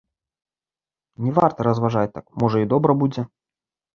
Не варта разважаць так, можа, і добра будзе.